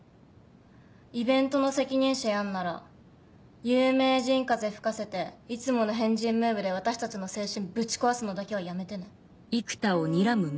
イベントの責任者やんなら有名人風吹かせていつもの変人ムーブで私たちの青春ぶち壊すのだけはやめてね。